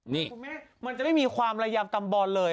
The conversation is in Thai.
นะครับมันจะไม่มีความระยับตำบ